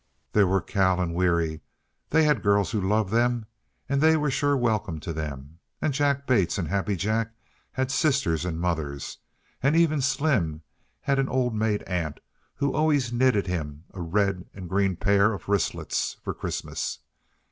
There were Cal and Weary, they had girls who loved them and they were sure welcome to them. And Jack Bates and Happy Jack had sisters and mothers and even Slim had an old maid aunt who always knit him a red and green pair of wristlets for Christmas.